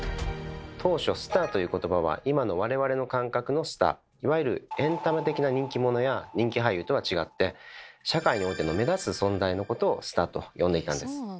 当初「スター」という言葉は今の我々の感覚のスターいわゆるエンタメ的な人気者や人気俳優とは違って社会においての目立つ存在のことをスターと呼んでいたんです。